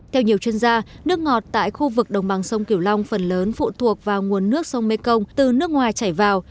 theo nhiều chuyên gia nước ngọt tại khu vực đồng bằng sông kiều long phần lớn phụ thuộc vào nguồn nước sông mê công từ nước ngoài chảy vào